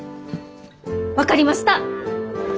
分かりました！